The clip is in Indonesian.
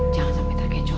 jangan sampai terkecoh